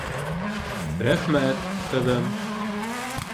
— Рәхмәт, ҡыҙым.